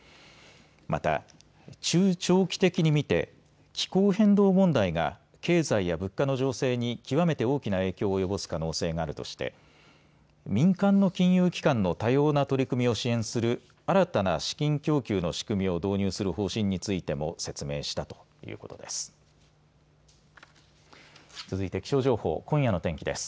また、中長期的に見て気候変動問題が経済や物価の情勢に極めて大きな影響を及ぼす可能性があるとして民間の金融機関の多様な取り組みを支援する新たな資金供給の仕組みを導入する方針についても説明したということです。